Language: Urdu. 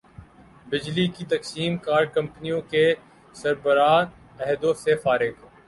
بجلی کی تقسیم کار کمپنیوں کے سربراہان عہدوں سے فارغ